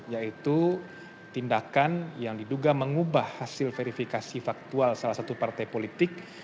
yaitu tindakan yang diduga mengubah hasil verifikasi faktual salah satu partai politik